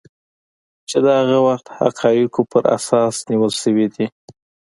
چې د هغه وخت حقایقو په اساس نیول شوي دي